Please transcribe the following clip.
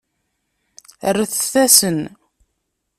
Rret-asen.